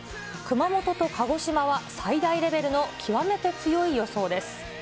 熊本と鹿児島は最大レベルの極めて強い予想です。